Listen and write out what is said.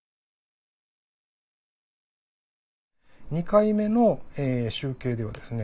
２回目の集計ではですね